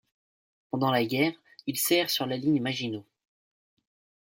Pendant la guerre, il sert sur la ligne Maginot.